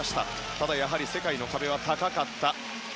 ただ世界の壁は高かった。